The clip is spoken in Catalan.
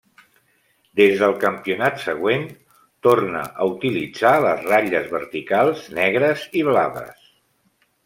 Des del campionat següent, torna a utilitzar les ratlles verticals negres i blaves.